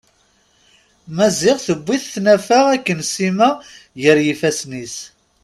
Maziɣ tewwi-t tnafa akken Sima gar yifasen-is.